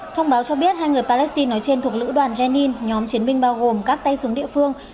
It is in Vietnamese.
thông báo cho biết hai người palestine nói trên thuộc lữ đoàn jenny nhóm chiến binh bao gồm các tay súng địa phương